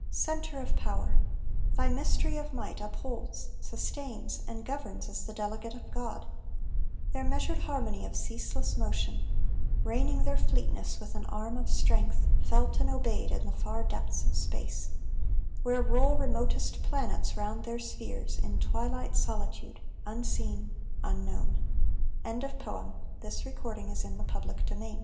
Centre of power! Thy mystery of might upholds, sustains, And governs as the Delegate of God, Their measured harmony of ceaseless motion; Reining their fleetness with "an arm of strength" Felt and obeyed in the far depths of space, Where roll remotest planets round their spheres In twilight solitude, unseen, unknown. Rev. H. H. Dugmore. _AN OCEAN SUNSET.